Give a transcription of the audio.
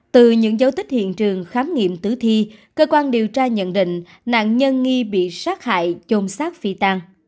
từ những dấu tích hiện trường khám nghiệm tử thi cơ quan điều tra nhận định nạn nhân nghi bị sát hại chôn sát phi tan